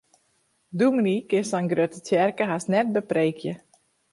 Dominy kin sa'n grutte tsjerke hast net bepreekje.